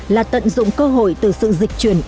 là tận dụng cơ hội từ sự dịch chuyển